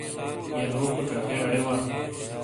یلوکو چکے اڑے وا۔